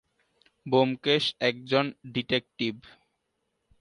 ব্যোমকেশ একজন ডিটেকটিভ।